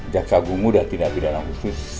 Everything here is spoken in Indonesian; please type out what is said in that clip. jaksa gungu sudah tidak pidana khusus